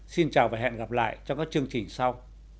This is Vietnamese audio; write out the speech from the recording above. xin chào và hẹn gặp lại trong các chương trình sau